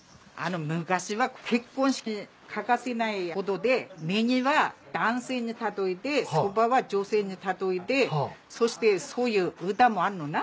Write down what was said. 昔は結婚式に欠かせないほどでネギは男性に例えてそばは女性に例えてそしてそういう歌もあんのな。